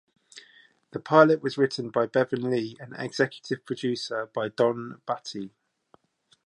The pilot was written by Bevan Lee and executive produced by Don Battye.